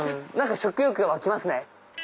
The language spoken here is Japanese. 食欲が湧きますね。